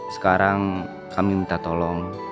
sekarang kami minta tolong